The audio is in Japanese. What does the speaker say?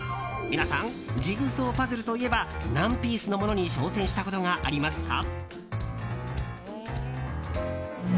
皆さん、ジグソーパズルといえば何ピースのものに挑戦したことがありますか？